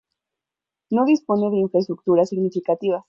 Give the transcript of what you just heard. No dispone de infraestructuras significativas.